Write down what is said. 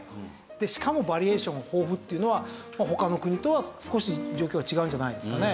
しかもバリエーション豊富っていうのは他の国とは少し状況が違うんじゃないですかね。